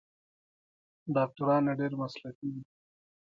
ډاکټران یې ډیر مسلکي دي.